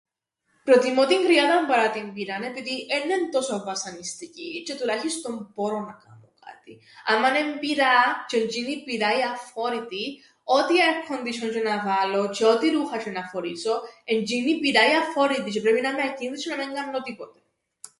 Προτιμώ την κρυάδαν παρά την πυράν επειδή έννεν' τόσον βασανιστική τζ̆αι τουλάχιστον μπορώ να κάμω κάτι, άμαν εν' πυρά τζ̆αι εν' τζ̆είνη η πυρά η αφόρητη ό,τι έαρκοντισ̆ιον τζ̆αι να βάλω τζ̆αι ό,τι ρούχα τζ̆αι να φορήσω, εν' τζ̆είνη η πυρά η αφόρητη τζ̆αι πρέπει να 'μαι ακίνητη τζ̆αι να μεν κάμνω τίποτε.